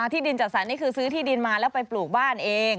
ที่ดินจัดสรรนี่คือซื้อที่ดินมาแล้วไปปลูกบ้านเอง